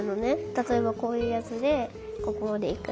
たとえばこういうやつでここまでいく。